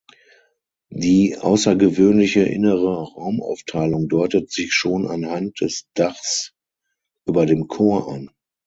Die außergewöhnliche innere Raumaufteilung deutet sich schon anhand des Dachs über dem Chor an.